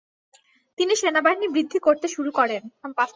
তিনি সেনাবাহিনী বৃদ্ধি করতে শুরু করেন।